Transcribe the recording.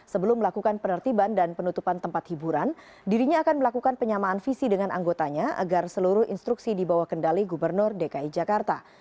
sebelum melakukan penertiban dan penutupan tempat hiburan dirinya akan melakukan penyamaan visi dengan anggotanya agar seluruh instruksi dibawa kendali gubernur dki jakarta